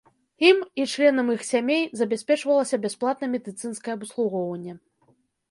Ім і членам іх сем'яў забяспечвалася бясплатнае медыцынскае абслугоўванне.